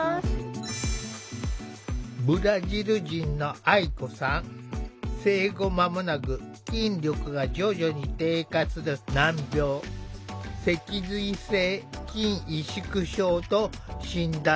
ブラジル人の生後間もなく筋力が徐々に低下する難病脊髄性筋萎縮症と診断された。